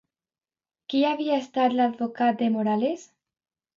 Qui havia estat l'advocat de Morales?